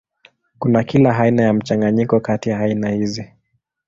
Kuna kila aina ya mchanganyiko kati ya aina hizi.